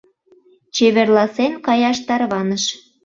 Чеверласен, каяш тарваныш.